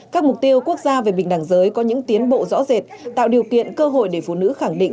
các mục tiêu quốc gia về bình đẳng giới có những tiến bộ rõ rệt tạo điều kiện cơ hội để phụ nữ khẳng định